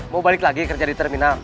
mau balik lagi kerja di terminal